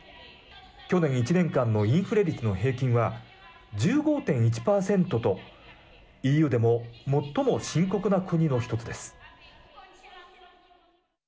去年１年間のインフレ率の平均は１５．１％とＥＵでも最も深刻な国の１つです。